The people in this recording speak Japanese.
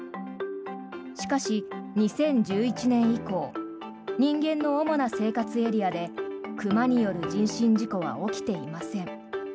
しかし、２０１１年以降人間の主な生活エリアで熊による人身事故は起きていません。